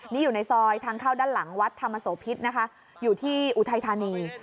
นี่อยู่ในซอยทางเข้าด้านหลังวัดธรรมโสพิษนะคะอยู่ที่อุทัยธานี